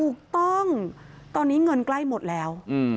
ถูกต้องตอนนี้เงินใกล้หมดแล้ว